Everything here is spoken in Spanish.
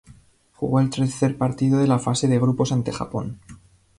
Jugó el tercer partido de la fase de grupos ante Japón.